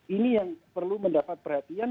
ini yang perlu mendapat perhatian